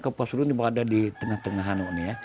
kapuasulu ini berada di tengah tengah hanoi ya